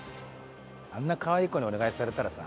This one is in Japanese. あんなかわいい子にお願いされたらさ。